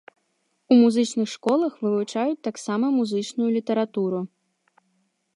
У музычных школах вывучаюць таксама музычную літаратуру.